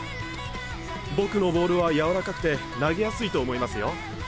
僕のボールは柔らかくて投げやすいと思いますよ。